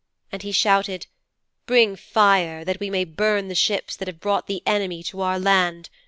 And he shouted "Bring fire that we may burn the ships that have brought the enemy to our land.